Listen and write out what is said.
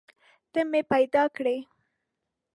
ته مې پیدا کړي